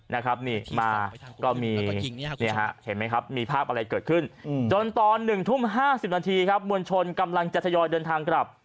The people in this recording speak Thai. นะครับนี่มาก็มีเนี่ยฮะเห็นไหมครับมีภาพอะไรเกิดขึ้นจนตอน๑ทุ่ม๕๐นาทีครับมวลชนกำลังจะทยอยเดินทางกลับ